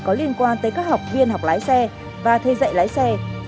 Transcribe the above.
có liên quan tới các học viên học lái xe và thuê dạy lái xe